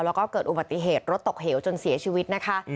แล้วก็เกิดอุบัติเหตุรถตกเหวจนเสียชีวิตนะคะ